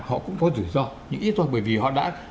họ cũng có rủi ro nhưng ít thôi bởi vì họ đã